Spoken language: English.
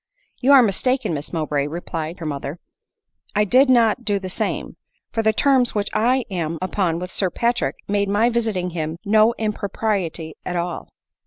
You are mistaken, Miss Mowbray," replied her mother ;" I did not do the same ; for the terms which I am upon with Sir Patrick made my visiting him no im propriety at all."